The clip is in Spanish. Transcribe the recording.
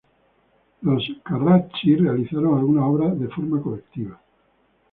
Los Carracci realizaron algunas obras de forma colectiva.